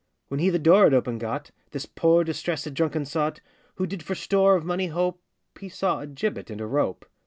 When he the door had open got, This poor, distressèd, drunken sot, Who did for store of money hope, He saw a gibbet and a rope.